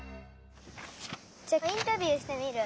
インタビューしてみる？